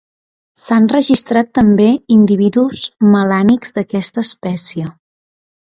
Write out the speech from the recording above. S'han registrat també individus melànics d'aquesta espècie.